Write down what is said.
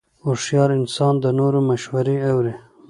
هوښیار انسان د نورو مشورې اوري.